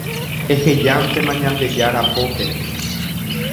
Ehejántema Ñandejára pópe